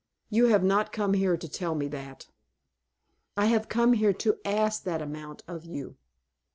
You have not come here to tell me that?" "I have come here to ask that amount of you."